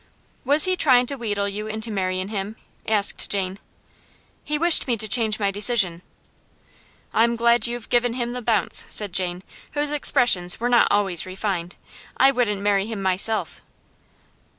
"Was he tryin' to wheedle you into marryin' him?" asked Jane. "He wished me to change my decision." "I'm glad you've given him the bounce," said Jane, whose expressions were not always refined. "I wouldn't marry him myself."